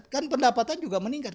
kan pendapatan juga meningkat